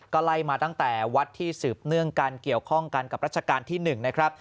ก็ไล่มาตั้งแต่วัดที่สืบเนื่องกันเกี่ยวข้องกันกับรัชกาลที่๑นะครับ